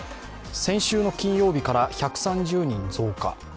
先週の金曜日から１３０人増加。